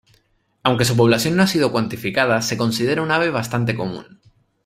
Aunque su población no ha sido cuantificada, se considera un ave bastante común.